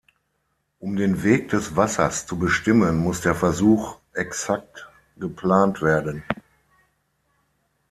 Um den Weg des Wassers zu bestimmen, muss der Versuch exakt geplant werden.